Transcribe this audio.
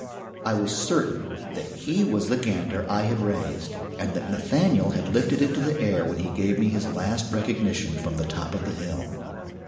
"I was certain that he was the gander I had raised and that Nathaniel had lifted into the air when he gave me his last recognition from the top of the hill.